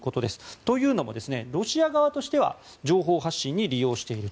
というのもロシア側としては情報発信に利用していると。